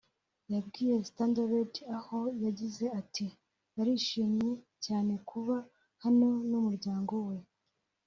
yabwiye Standard aho yagize ati “Arishimye cyane kuba hano n’umuryango we’’